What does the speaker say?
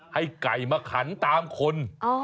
ให้ไก่มาขันตามคน